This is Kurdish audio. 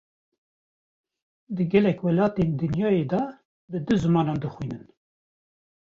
Di gelek welatên dinyayê de, bi du zimanan dixwînin